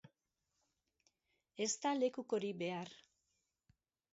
Ez da lekukorik behar.